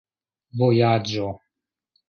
vojaĝo